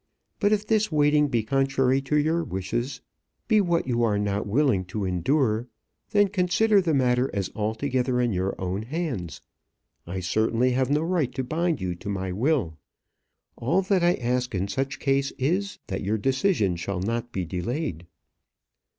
But if this waiting be contrary to your wishes, be what you are not willing to endure, then consider the matter as altogether in your own hands. I certainly have no right to bind you to my will; all that I ask in such case is, that your decision shall not be delayed."